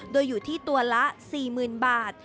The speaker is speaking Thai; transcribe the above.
โดยอยู่ที่ตัวละ๔๐๐๐บาท